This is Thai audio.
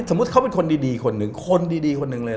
เขาเป็นคนดีคนหนึ่งคนดีคนหนึ่งเลย